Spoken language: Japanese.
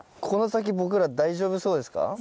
この先僕ら大丈夫そうですか？